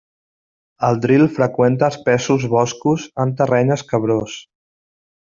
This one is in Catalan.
El dril freqüenta espessos boscos en terreny escabrós.